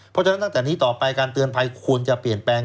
เพราะฉะนั้นตั้งแต่นี้ต่อไปการเตือนภัยควรจะเปลี่ยนแปลง